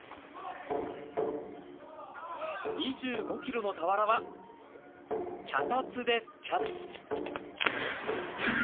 ２５キロの俵は、脚立でキャッチ。